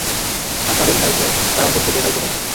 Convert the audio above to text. আর তাদের দায়িত্ব তার অন্তর থেকে তা উপড়ে ফেলা।